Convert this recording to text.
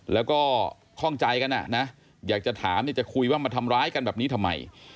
แล้วก็ข้องใจกันอยากจะถามอยากจะคุยว่ามาทำร้ายกันแบบนี้ทำไม